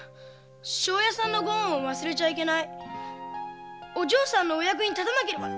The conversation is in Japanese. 「庄屋さんのご恩を忘れちゃいけないお嬢さんのお役に立たなければ」